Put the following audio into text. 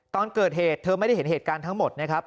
ตอนเกิดเหตุเธอไม่ได้เห็นเหตุการณ์ทั้งหมดนะครับ